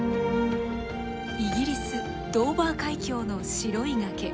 イギリスドーバー海峡の白い崖。